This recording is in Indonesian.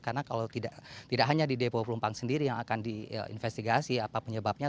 karena kalau tidak hanya di depo pelumpang sendiri yang akan diinvestigasi apa penyebabnya